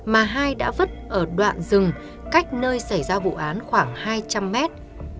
mà hai đã vứt ở đoạn rừng cách nơi xảy ra vụ án khoảng hai trăm linh mét